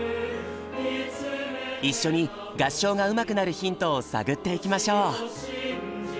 一緒に合唱がうまくなるヒントを探っていきましょう！